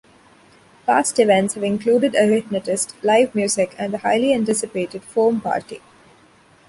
Past events have included a hypnotist, live music, and the highly anticipated foam party.